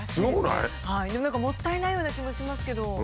でも何かもったいないような気もしますけど。